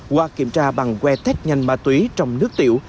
qua kiểm tra bằng que test nhanh ma túy trong nước tiểu